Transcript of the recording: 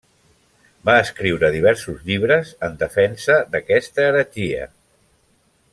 Va escriure diversos llibres en defensa d'aquesta heretgia.